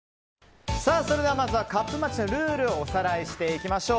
まずはカップマッチのルールをおさらいしていきましょう。